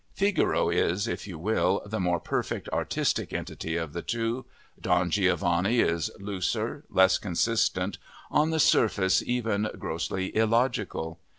Figaro is, if you will, the more perfect artistic entity of the two; Don Giovanni is looser, less consistent, on the surface even grossly illogical.